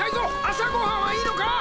あさごはんはいいのか！？